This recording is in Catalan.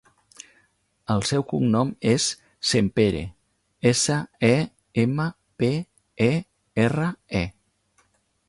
El seu cognom és Sempere: essa, e, ema, pe, e, erra, e.